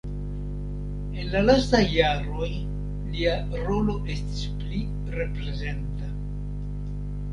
En la lastaj jaroj lia rolo estis pli reprezenta.